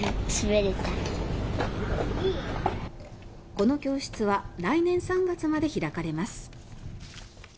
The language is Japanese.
この教室は来年３月まで開かれます。